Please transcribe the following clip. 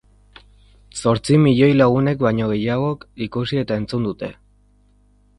Zortzi milioi lagunek baino gehiagok ikusi eta entzun dute.